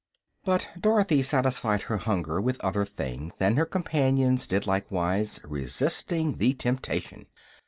But Dorothy satisfied her hunger with other things, and her companions did likewise, resisting the temptation.